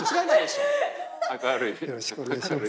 よろしくお願いします。